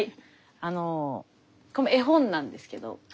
あのこの絵本なんですけど。